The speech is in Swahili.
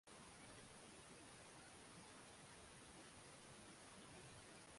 na mimi kuwasilisha kwa jaji alupata